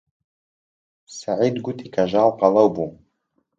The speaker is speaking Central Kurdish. سەعید گوتی کەژاڵ قەڵەو بوو.